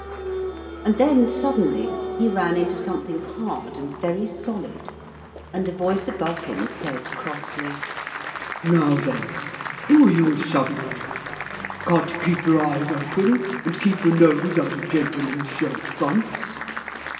And then suddenly he ran into something hard and very solid, and a voice above him said crossly: 'Now then, who are you a shoving of? Can't you keep your eyes open, and keep your nose out of gentlemen's shirt fronts?'